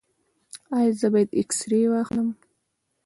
ایا زه باید اکسرې واخلم؟